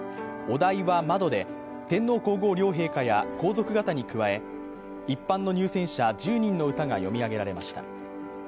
お題は「窓」で天皇皇后両陛下や皇族方に加え一般の入選者１０人の歌が詠み上げられました。